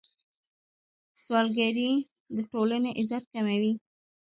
سوالګري د ټولنې عزت کموي.